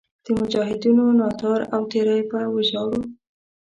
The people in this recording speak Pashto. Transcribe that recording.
د مجاهدینو ناتار او تېری به وژاړو.